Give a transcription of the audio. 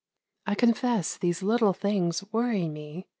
I confess these little things worry me.